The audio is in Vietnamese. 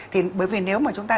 thì bởi vì nếu mà chúng ta